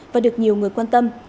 và được nhiều người quan tâm